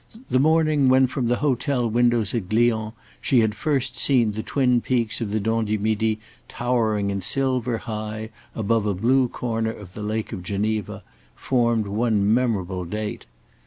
The morning when from the hotel windows at Glion she had first seen the twin peaks of the Dent du Midi towering in silver high above a blue corner of the Lake of Geneva, formed one memorable date.